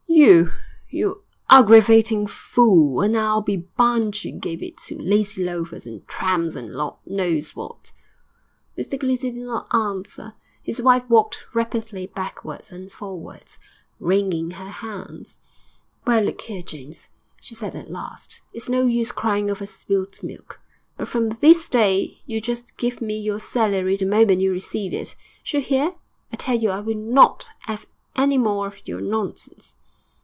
'You you aggravating fool! And I'll be bound you gave it to lazy loafers and tramps and Lord knows what!' Mr Clinton did not answer; his wife walked rapidly backwards and forwards, wringing her hands. 'Well, look here, James,' she said at last. 'It's no use crying over spilt milk; but from this day you just give me your salary the moment you receive it. D'you hear? I tell you I will not 'ave any more of your nonsense.'